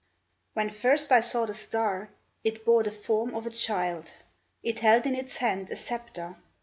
—When first I saw the star It bore the form of a child. It held in its hand a sceptre.